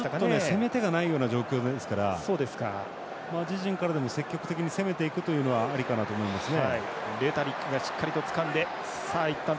攻め手がないような展開でしたから自陣からでも積極的に攻めていくというのはありかなと思いますね。